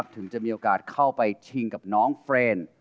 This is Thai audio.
ถึงจะมีโอกาสเข้าไปชิงกับน้องเฟรนด์